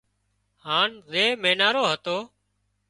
هانَ زي مينارو هتو